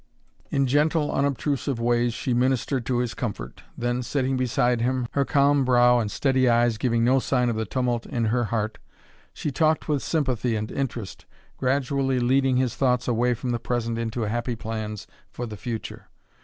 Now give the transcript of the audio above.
In gentle, unobtrusive ways she ministered to his comfort; then, sitting beside him, her calm brow and steady eyes giving no sign of the tumult in her heart, she talked with sympathy and interest, gradually leading his thoughts away from the present into happy plans for the future.